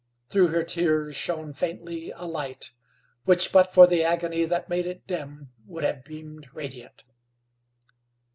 Through her tears shone faintly a light, which, but for the agony that made it dim, would have beamed radiant.